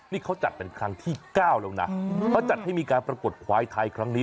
นี่เขาจัดเป็นครั้งที่๙แล้วนะเขาจัดให้มีการปรากฏควายไทยครั้งนี้